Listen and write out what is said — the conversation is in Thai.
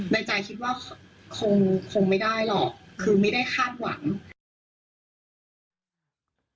ในใจคิดว่าคงคงไม่ได้หรอกคือไม่ได้คาดหวัง